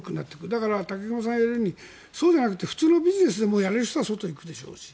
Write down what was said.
だから武隈さんが言われるようにそうじゃなくて普通のビジネスでやれる人は外へ行くでしょうし。